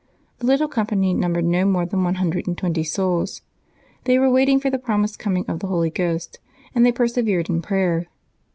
The little com pany numbered no more than one hundred and twenty souls. They were waiting for the promised coming of the Holy Ghost, and they persevered in prayer.